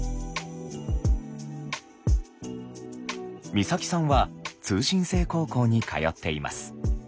光沙季さんは通信制高校に通っています。